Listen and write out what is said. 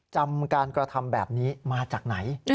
จำการกระทำแบบนี้มาจากไหน